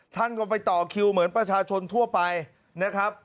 ท่านก็ไปต่อคิวเหมือนประชาชนทั่วไปนะครับ